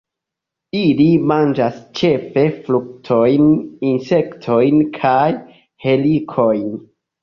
Ili manĝas ĉefe fruktojn, insektojn kaj helikojn.